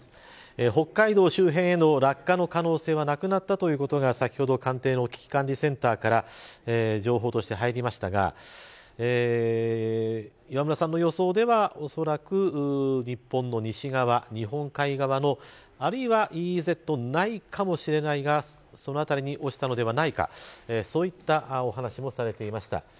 北海道周辺への落下の可能性はなくなったということが先ほど官邸の危機管理センターから情報として入りましたが磐村さんの予想では、おそらく日本の西側、日本海側のあるいは、ＥＥＺ内かもしれないがその辺りに落ちたのではないかそういったお話もされていました。